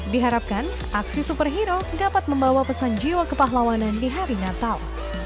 diharapkan aksi superhero dapat membawa pesan jiwa kepahlawanan di hari natal